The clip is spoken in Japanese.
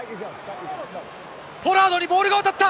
ポラードにボールが渡った！